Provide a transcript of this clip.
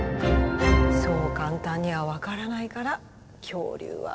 そう簡単には分からないから恐竜は面白いんだよ。